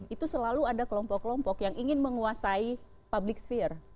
itu selalu ada kelompok kelompok yang ingin menguasai public fear